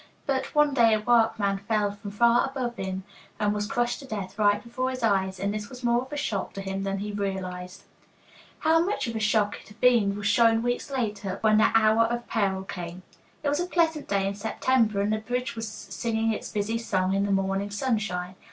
But one day a workman fell from far above him and was crushed to death right before his eyes, and this was more of a shock to him than he realized. How much of a shock it had been was shown weeks later, when the hour of peril came. It was a pleasant day in September, and the bridge was singing its busy song in the morning sunshine.